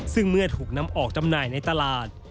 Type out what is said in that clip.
ซึ่งเมื่อถูกนำออกจำหน่ายในตลาด